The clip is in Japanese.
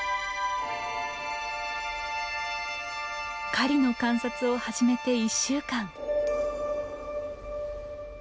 狩りの観察を始めて１週間。